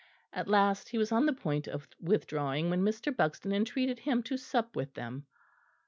At last he was on the point of withdrawing, when Mr. Buxton entreated him to sup with them.